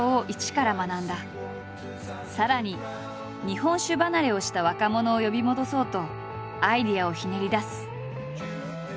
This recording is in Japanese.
さらに日本酒離れをした若者を呼び戻そうとアイデアをひねり出す。